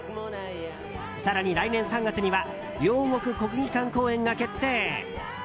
更に、来年３月には両国国技館公演が決定。